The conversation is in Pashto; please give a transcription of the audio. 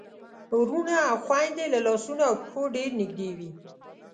وروڼه او خويندې له لاسونو او پښو ډېر نږدې وي.